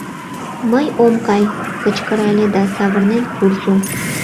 — Мый ом кай! — кычкырале да савырнен куржо.